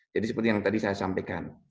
jadi seperti yang tadi saya sampaikan